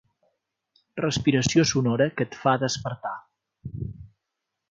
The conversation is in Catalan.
Respiració sonora que et fa despertar.